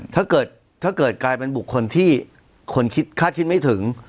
ถ้าเกิดกลายเป็นบุคคลที่คาดคิดไม่ถึง